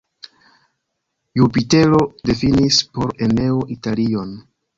Jupitero difinis por Eneo Italion.